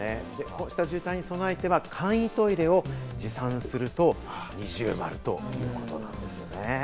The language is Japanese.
こういった渋滞に備えては簡易トイレを持参すると二重丸ということなんですね。